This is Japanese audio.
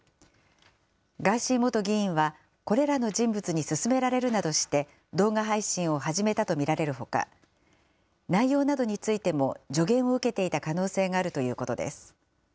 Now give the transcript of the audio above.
ガーシー元議員は、これらの人物に勧められるなどして動画配信を始めたと見られるほか、内容などについても助言を受けていた可能性があるということです。